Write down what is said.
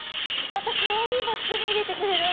かわいいバッグに入れてくれるの！